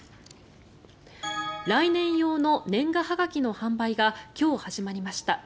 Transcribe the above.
来年用の年賀はがきの販売が今日、始まりました。